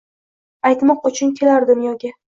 Aytmoq uchun kelar dunyoga.